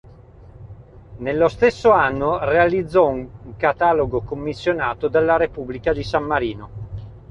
Nello stesso anno realizzò un catalogo commissionato dalla Repubblica di San Marino.